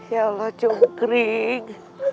ya allah cungkering